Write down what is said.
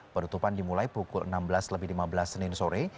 penutupan dimulai pukul enam belas lebih lima belas senin sore